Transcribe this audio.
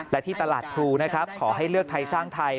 และที่ตลาดครูนะครับขอให้เลือกไทยสร้างไทย